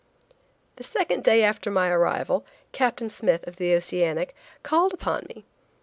The second day after my arrival, Captain Smith, of the Oceanic, called upon me.